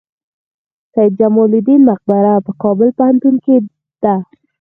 سید جمال الدین مقبره په کابل پوهنتون کې ده؟